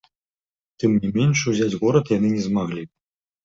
Тым не менш ўзяць горад яны не змаглі.